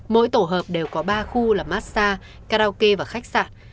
mỗi tổ hợp đều có ba khu là massage karaoke và khách sạn